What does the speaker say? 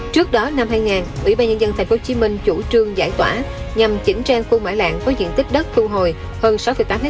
trước đó năm hai nghìn ủy ban nhân dân tp hcm chủ trương giải tỏa nhằm chỉnh trang khu bãi lạng có diện tích đất thu hồi hơn sáu tám m hai